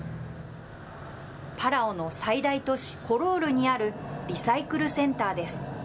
パラオの最大都市コロールにあるリサイクルセンターです。